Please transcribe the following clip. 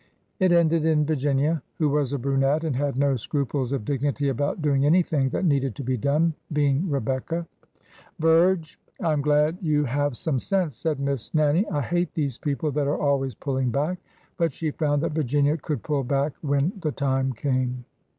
It ended in Virginia, who was a brunette and had no scruples of dignity about doing anything that needed to be done, being Rebecca. " Virge, I am glad you have some sense !" said Miss Nannie. " I hate these people that are always pulling back." But she found that Virginia could pull back when the tim.e came.